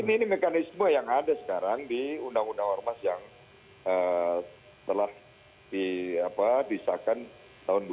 ini mekanisme yang ada sekarang di undang undang ormas yang telah disahkan tahun dua ribu